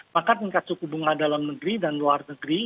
maka tingkat suku bunga dalam negeri dan luar negeri